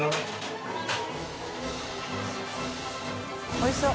おいしそう。